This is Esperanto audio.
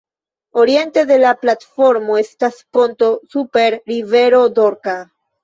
Oriente de la platformo estas ponto super rivero Dorka.